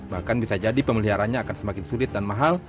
bahkan bisa jadi pemeliharaannya akan semakin sulit dan mahal